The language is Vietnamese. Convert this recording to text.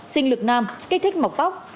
sinh lực nam kích thích mọc tóc